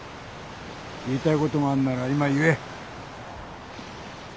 言いたいことがあるなら今言え。